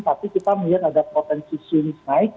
tapi kita melihat ada potensi swings naik